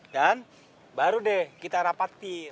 dan baru deh kita rapatin